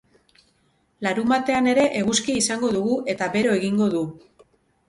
Larunbatean ere eguzkia izango dugu eta bero egingo du.